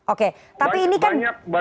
oke tapi ini kan